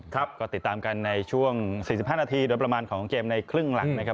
ครับก็ติดตามกันในช่วง๔๕นาทีโดยประมาณของเกมในครึ่งหลังนะครับ